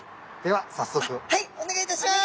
はいお願いいたします。